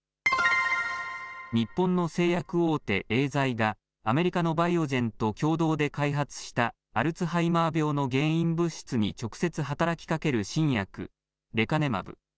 日本の製薬大手エーザイがアメリカのバイオジェンと共同で開発したアルツハイマー病の原因物質に直接働きかける新薬レカネマブ。